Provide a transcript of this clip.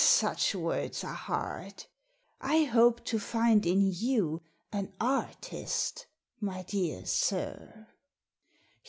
"" Such words are hard. I hoped to find in you an artist, my dear sir."